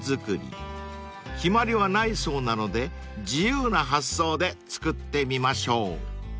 ［決まりはないそうなので自由な発想で作ってみましょう］